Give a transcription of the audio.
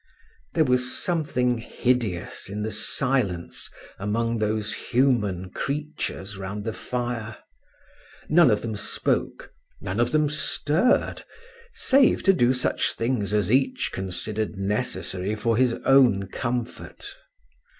There was something hideous in the silence among those human creatures round the fire; none of them spoke, none of them stirred, save to do such things as each considered necessary for his own comfort.